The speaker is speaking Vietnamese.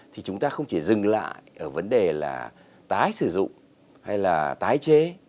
thì chúng ta không chỉ dừng lại ở vấn đề là tái sử dụng hay là tái chế